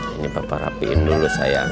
ini papa rapiin dulu sayang